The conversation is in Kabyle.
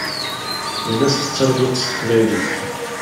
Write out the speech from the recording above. Yal ass tettarguḍ s teqbaylit.